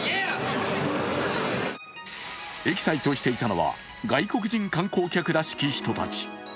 エキサイトしていたのは外国人観光客らしき人たち。